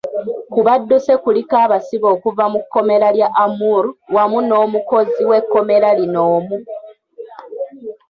Ku badduse kuliko abasibe okuva mu kkomera lya Amuru wamu n’omukozi w’ekkomera lino omu.